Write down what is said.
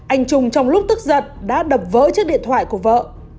anh trung trong lúc tức giận đã đập vỡ chiếc điện thoại của vợ